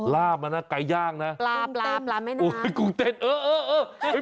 ลาบมาน่ะไกล่ย่างน่ะลาบลาบลาบแม่น้ำน้ำโอ้ยกรุงเต้นเออเออเออ